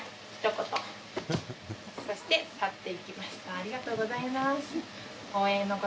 ありがとうございます。